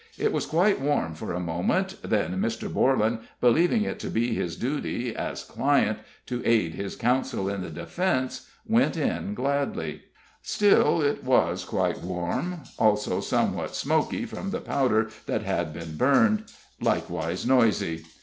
It was quite warm for a moment; then Mr. Borlan, believing it to be his duty, as client, to aid his counsel in the defense, went in gladly. Still it was quite warm; also somewhat smoky from the powder that had been burned; likewise noisy.